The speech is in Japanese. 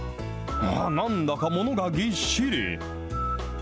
なんだかものがぎっしり。